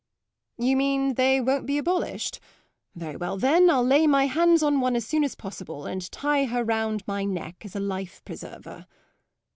"You mean they won't be abolished? Very well, then, I'll lay hands on one as soon as possible and tie her round my neck as a life preserver."